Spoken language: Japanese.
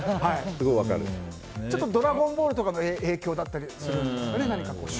「ドラゴンボール」の影響などもするんですかね。